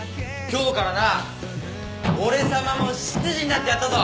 今日からな俺さまも執事になってやったぞ。